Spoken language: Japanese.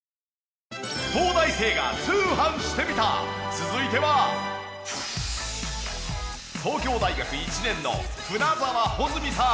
続いては東京大学１年の舩澤帆津美さん。